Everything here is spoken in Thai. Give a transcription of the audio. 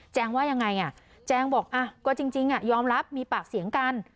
ว่ายังไงอ่ะแจงบอกก็จริงยอมรับมีปากเสียงกัน